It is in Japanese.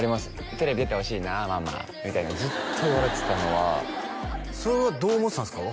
「テレビ出てほしいなママ」みたいなずっと言われてたのはそれはどう思ってたんですか？